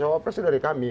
cawapresnya dari kami